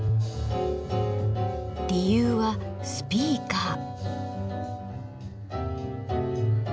理由はスピーカー。